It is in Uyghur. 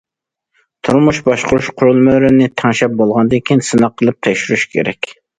تورمۇز باشقۇرۇش قۇرۇلمىلىرىنى تەڭشەپ بولغاندىن كېيىن سىناق قىلىپ تەكشۈرۈش كېرەك.